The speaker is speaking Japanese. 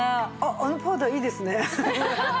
あのパウダーいいですね。